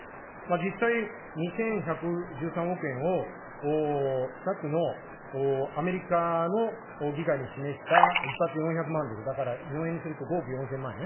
実際、２１１３億円をさっきのアメリカの議会に示した１発４００万ドル、だから日本円にすると５億４０００万円。